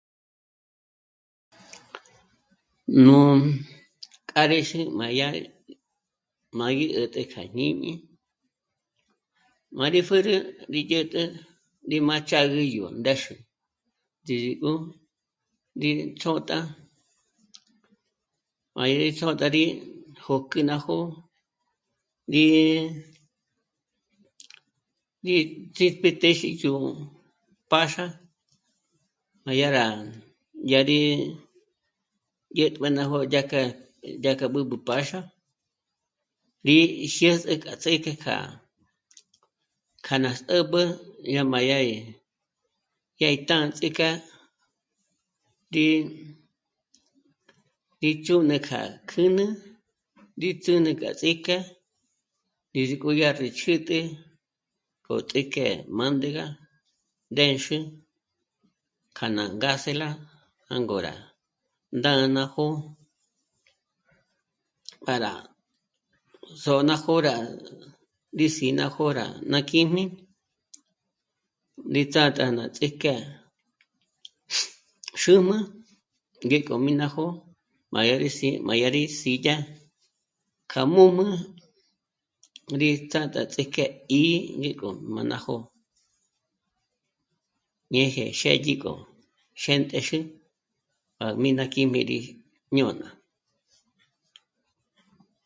Nú k'âraxü má dyá..., má rí 'ä̀t'ä kja jñíñi, má rí pjǚrü rí dyä̀t'ä rí má ch'âgi yó ndéxü ndízik'o rí ts'ó't'a, má dyá rí s'ót'a rí jö̌k'ü ná jó'o, rí, rí sísp'i téxi yó páxa, má dyá rá..., yá rí dyä̀t'ä juë́'ë ná jó'o dyá k'a, dyá k'a b'ǚb'ü páxa, rí jyês'ü k'a ts'íjk'e k'a, k'a ná s'ä̌b'ä yá má yá gí..., ngé tá ts'íjk'e rí, rí chjǘnü k'a kjǚjnü, rí tsjúnü k'a ts'íjk'e, ndízik'o dyá rí chjǘt'ü k'o ts'íjk'e mândega, ndénxü, kja ná ngásela jângo rá ndá'a ná jó'o para sò'o ná jó'o rá rís'i ná jó'o rá ná kíjmi, né ts'â'a tá ná ts'íjk'e xǔm'ü ngék'o mí ná jó'o má yá rí sí'i, má yá rí sídya, k'a mǘ'm'ü rí tsjâ'a tá ts'ík'ë í ngék'o má ná jó'o, ñéje xë́dyi k'o xë̌ntexü pá mí ná kíjmi rí jñôna